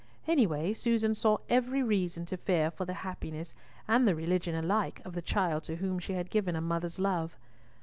Any way, Susan saw every reason to fear for the happiness and the religion alike of the child to whom she had given a mother's love.